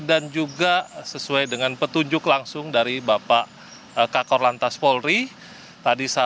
dan juga sesuai dengan petunjuk langsung dari bapak kak kor lantas pores depok